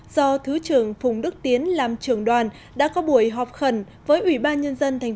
do thứ trưởng phùng đức tiến làm trưởng đoàn đã có buổi họp khẩn với ủy ban nhân dân thành